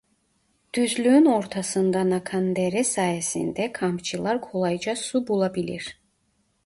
Düzlüğün ortasından akan dere sayesinde kampçılar kolayca su bulabilir.